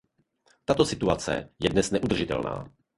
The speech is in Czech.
Tato situace je dnes neudržitelná.